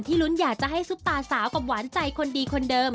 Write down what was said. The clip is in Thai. ลุ้นอยากจะให้ซุปตาสาวกับหวานใจคนดีคนเดิม